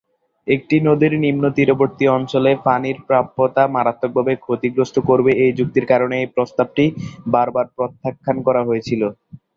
এটি নদী নিম্ন তীরবর্তী অঞ্চলে পানির প্রাপ্যতা মারাত্মকভাবে ক্ষতিগ্রস্ত করবে এই যুক্তির কারণে এই প্রস্তাবটি বারবার প্রত্যাখ্যান করা হয়েছিলো।